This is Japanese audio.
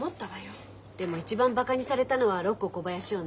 でも一番バカにされたのはロッコー小林よね。